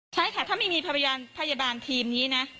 ใช่ค่ะถ้าไม่มีพยาบาลทีมนี้นะ